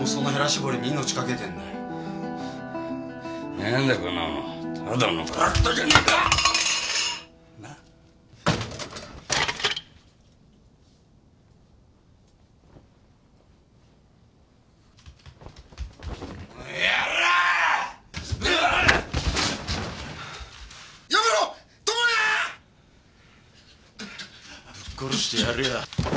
ぶっ殺してやるよ。